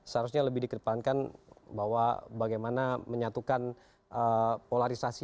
seharusnya lebih dikedepankan bahwa bagaimana menyatukan polarisasi